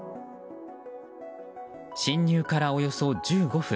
侵入からおよそ１５分。